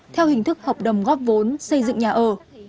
theo hình thức hợp đồng góp vốn xây dựng nhà ở